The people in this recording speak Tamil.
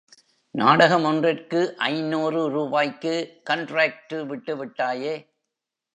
நாடகம் ஒன்றிற்கு ஐந்நூறு ரூபாய்க்கு கன்டிராக்டு விட்டு விட்டாயே!